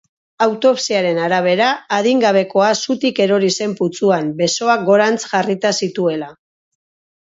Autopsiaren arabera, adingabekoa zutik erori zen putzuan, besoak gorantz jarrita zituela.